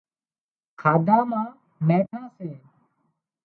کاڌا مان نيٺان سي